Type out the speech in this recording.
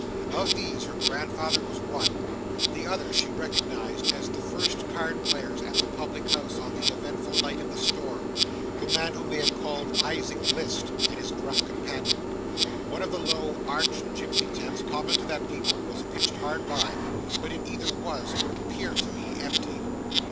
Of these, her grandfather was one; the others she recognised as the first card players at the public house on the eventful night of the storm the man whom they had called Isaac List, and his gruff companion. One of the low, arched gipsy tents, common to that people, was pitched hard by, but it either was, or appeared to be, empty.